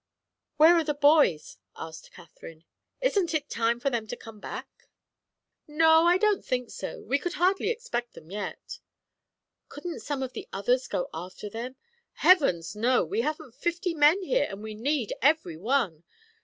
"Where are the boys?" asked Katherine. "Isn't it time for them to come back?" "No, I don't think so; we could hardly expect them yet." "Couldn't some of the others go after them?" "Heavens, no! We haven't fifty men here, and we need every one.